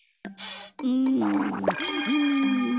うんうん。